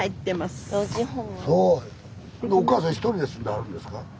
おかあさん一人で住んではるんですか？